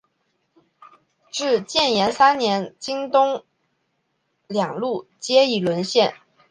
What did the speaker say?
至建炎三年京东两路皆已沦陷。